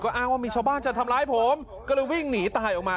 อ้างว่ามีชาวบ้านจะทำร้ายผมก็เลยวิ่งหนีตายออกมา